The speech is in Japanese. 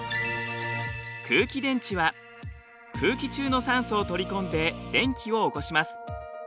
空気電池は空気中の酸素を取り込んで電気を起こします。